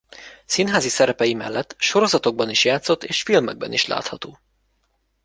Színházi szerepei mellett sorozatokban is játszott és filmekben is látható.